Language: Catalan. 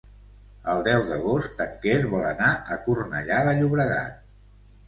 El deu d'agost en Quer vol anar a Cornellà de Llobregat.